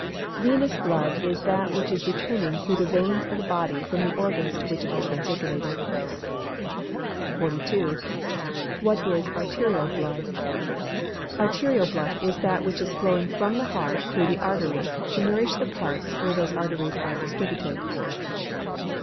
_ Venous blood is that which is returning through the veins of the body from the organs to which it has been circulated. 42. What is arterial blood? Arterial blood is that which is flowing from the heart through the arteries to nourish the parts where those arteries are distributed.